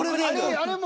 あれも？